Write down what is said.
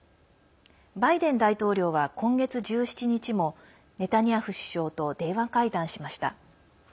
バイデン大統領は今月１７日もネタニヤフ首相と電話会談しました。